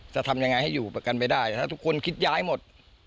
จะทำยังไงให้อยู่ประกันไม่ได้ถ้าทุกคนคิดย้ายหมด